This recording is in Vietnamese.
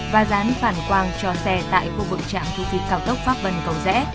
và dán phản quang cho xe tại khu vực trạm thu phí cao tốc pháp vân cầu rẽ